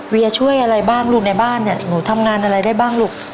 ช่วยอะไรบ้างลูกในบ้านเนี่ยหนูทำงานอะไรได้บ้างลูก